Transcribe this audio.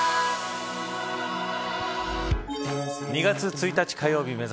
２月１日、火曜日